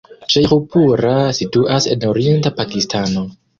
Ŝejĥupura situas en orienta Pakistano.